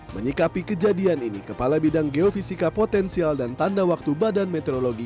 menyikapi kejadian ini kepala bidang geofisika potensial dan tanda waktu badan meteorologi